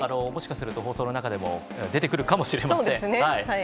もしかすると放送の中でも出てくるかもしれません。